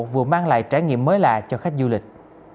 vừa mang lại trải nghiệm mới lạ cho khách du lịch